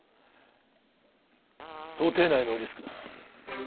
想定内のリスクです。